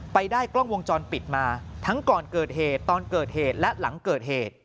ไปได้กล้องวงจรปิดมาทั้งก่อนเกิดเหตุตอนเกิดเหตุและหลังเกิดเหตุ